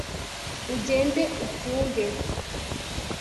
ugende utunge